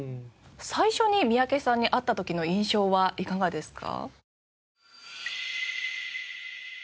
最初に三宅さんに会った時の印象はいかがですか？